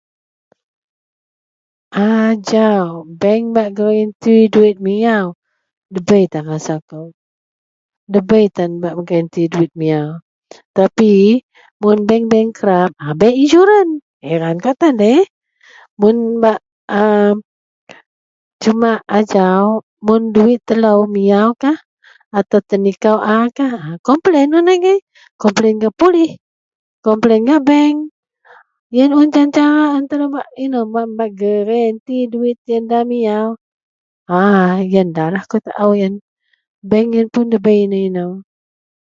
ajau bank bak gerenti duwit miaw, debei tan rasa kou, debei tan bak gerenti duwit miaw tapi mun bank-bank bankrap bei ansuran, hairan kawak tan da yeh mun bak a cumak ajau mun duwit telou miawkah ataupun tenikau a kah, komplainlah agei komplainlah gak pulih, gak bank, ien un tan cara telou bak inou bak bak gerenti duwit ien da miaw, a ien dalah akou taau ien, bank ien pun debai inou-inou